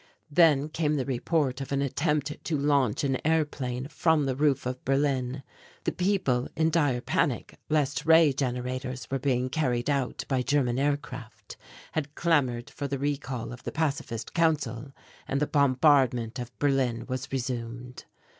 Then came the report of an attempt to launch an airplane from the roof of Berlin. The people, in dire panic lest Ray generators were being carried out by German aircraft, had clamoured for the recall of the Pacifist Council, and the bombardment of Berlin was resumed.